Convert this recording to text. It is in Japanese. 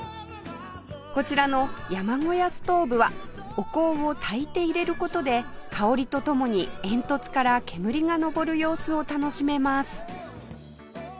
こちらの山小屋ストーブはお香をたいて入れる事で香りと共に煙突から煙が上る様子を楽しめます